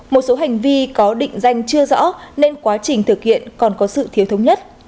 một số hành vi có định danh chưa rõ nên quá trình thực hiện còn có sự thiếu thống nhất